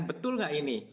betul nggak ini